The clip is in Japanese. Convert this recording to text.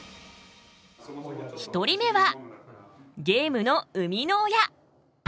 １人目はゲームの生みの親。